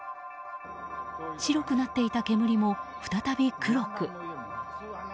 白くなっていた煙も再び黒く。